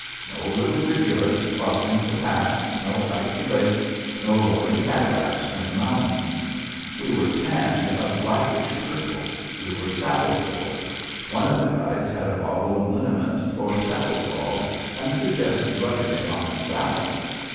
No little rivulets crossing the path, no icy lakes, no rolling cataracts from the mountains. We were tanned a blackish purple. We were saddle sore. One of the guides had a bottle of liniment for saddle gall and suggested rubbing it on the saddle.